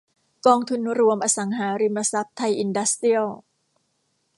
กองทุนรวมอสังหาริมทรัพย์ไทยอินดัสเตรียล